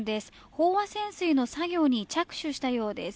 飽和潜水の作業に着手したようです。